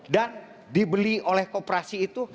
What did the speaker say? dan dibeli oleh koperasi itu